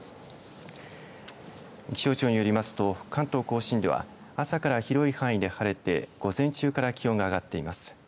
気象庁によりますと関東甲信では朝から広い範囲で晴れて午前中から気温が上がっています。